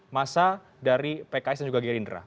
masa dari pks dan juga gerindra